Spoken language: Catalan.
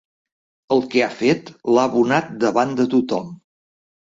El que ha fet l'ha abonat davant de tothom.